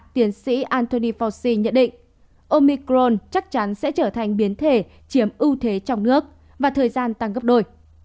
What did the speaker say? tiến sĩ anthony fauci nhận định omicron chắc chắn sẽ trở thành biến thể chiếm ưu thế trong nước và thời gian tăng gấp đôi